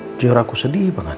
jujur aku sedih banget